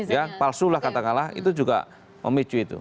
ya palsu lah kata kala itu juga memicu itu